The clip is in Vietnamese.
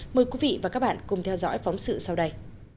mời quý vị và các bạn cùng theo dõi phóng sự sau đây